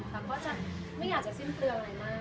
แล้วก็จะไม่อยากจะสิ้นเปลืองอะไรมาก